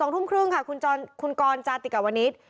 ๒ทุ่มครึ่งค่ะคุณกรจาติกวนิษฐ์